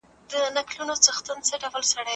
موږ باید هغه کسان وپېژنو چې ټولنې ته خدمت کوي.